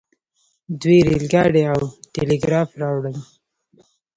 دوی ریل ګاډی او ټیلیګراف راوړل.